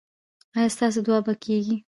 ایا ستاسو دعا به کیږي؟